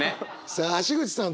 さあ橋口さん